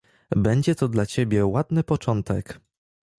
"Będzie to dla ciebie ładny początek."